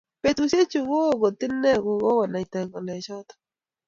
Betushechu ko okot inee ko kokunaita ngalechoto.